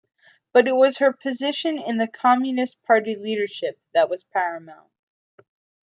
But it was her position in the Communist Party leadership that was paramount.